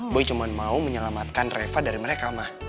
boy cuma mau menyelamatkan treva dari mereka ma